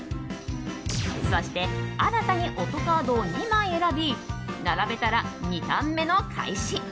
そして新たに音カードを２枚選び並べたら、２ターン目の開始。